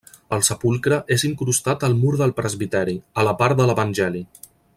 El sepulcre és incrustat al mur del presbiteri, a la part de l'Evangeli.